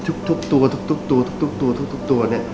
ทุกทุกตัวทุกทุกตัวทุกทุกตัวทุกทุกตัวเนี้ย